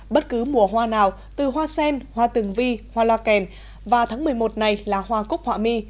bất cứ mùa hoa nào từ hoa sen hoa tường vi hoa loa kèn và tháng một mươi một này là hoa cúc hoa mi